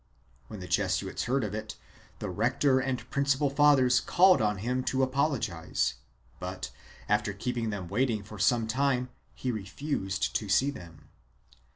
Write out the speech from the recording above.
When the Jesuits heard of it, the rector and principal fathers called on him to apologize, but, after keeping them waiting for some time he refused to see them.